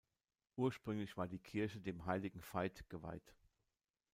Ursprünglich war die Kirche dem Heiligen Veit geweiht.